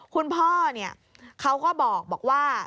คุณพ่อเขาก็บอกว่า